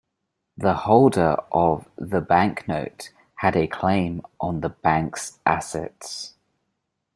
The holder of the bank note had a claim on the bank's assets.